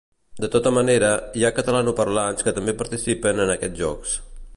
De tota manera, hi ha catalanoparlants que també participen en aquests jocs.